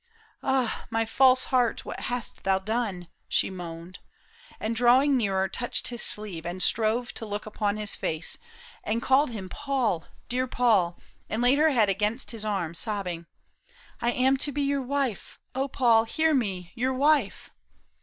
" Ah, my false heart, what hast thou done ?" she moaned. And drawing nearer, touched his sleeve and strove To look upon his face ; and called him Paul, Dear Paul, and laid her head against his arm Sobbing, " I am to be your wife ; O Paul, Hear me, your wife